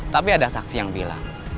tapi ada saksi yang bilang